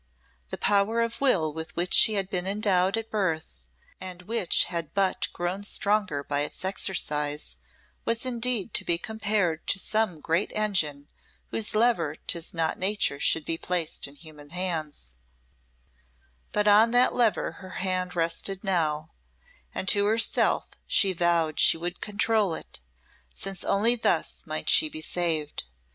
The power of will with which she had been endowed at birth, and which had but grown stronger by its exercise, was indeed to be compared to some great engine whose lever 'tis not nature should be placed in human hands; but on that lever her hand rested now, and to herself she vowed she would control it, since only thus might she be saved.